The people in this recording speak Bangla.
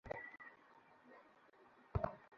আপনার সাথে পরিচিত হবার খুব শখ ছিল।